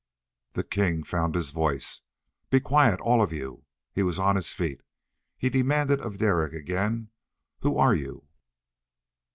The king found his voice. "Be quiet, all of you!" He was on his feet. He demanded of Derek again, "Who are you?"